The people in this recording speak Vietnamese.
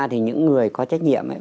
thì những người có trách nhiệm